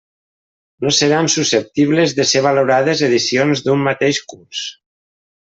No seran susceptibles de ser valorades edicions d'un mateix curs.